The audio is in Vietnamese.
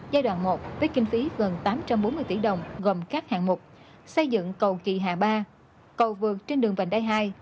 giai đoạn một với kinh phí gần tám trăm bốn mươi tỷ đồng gồm các hạng mục xây dựng cầu kỳ hà ba cầu vượt trên đường vành đai hai